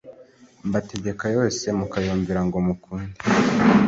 mbategeka yose mukayumvira ngo mukunde